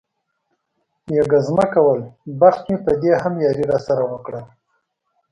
یې ګزمه کول، بخت مې په دې هم یاري را سره وکړل.